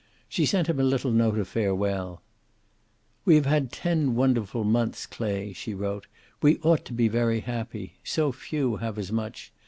She sent him a little note of farewell: "We have had ten very wonderful months, Clay," she wrote. "We ought to be very happy. So few have as much.